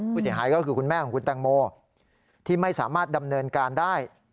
ผู้เสียหายก็คือคุณแม่ของคุณแตงโมที่ไม่สามารถดำเนินการได้